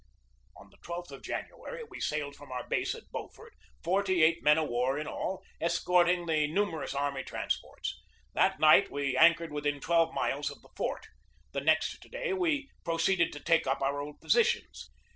On the I2th of January we sailed from our base at Beaufort, forty eight men of war in all, escorting the numerous army trans ports. That night we anchored within twelve miles of the fort. The next day we proceeded to take up our old positions.